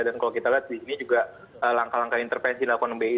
dan kalau kita lihat di sini juga langkah langkah intervensi lakukan bi